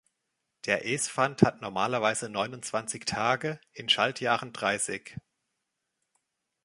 Der Esfand hat normalerweise neunundzwanzig Tage, in Schaltjahren dreißig.